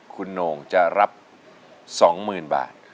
คุณองค์จะรับสองหมื่นบาท